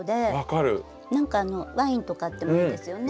何かワインとかあってもいいですよね。